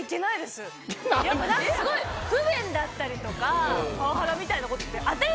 すごい不便だったりとかパワハラみたいなことって。